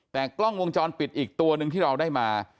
แต่กล้องวงจรปิดอีกตัวหนึ่งที่เราได้มา